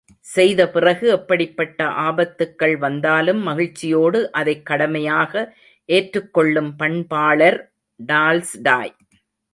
செய்தபிறகு எப்படிப்பட்ட ஆபத்துக்கள் வந்தாலும் மகிழ்ச்சியோடு அதைக் கடமையாக ஏற்றுக் கொள்ளும் பண்பாளர் டால்ஸ்டாய்.